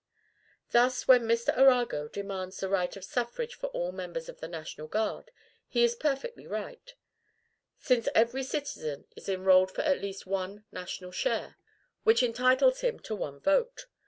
Thus, when M. Arago demands the right of suffrage for all members of the National Guard, he is perfectly right; since every citizen is enrolled for at least one national share, which entitles him to one vote.